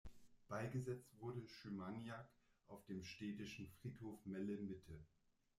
Beigesetzt wurde Szymaniak auf dem städtischen Friedhof Melle-Mitte.